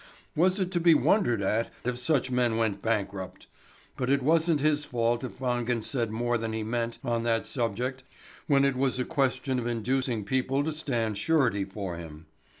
Was it to be wondered at if such men went bankrupt? But it wasn't his fault if Wangen said more than he meant on that subject when it was a question of inducing people to stand surety for him.